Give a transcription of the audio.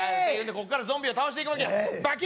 ここからゾンビを倒していくわけ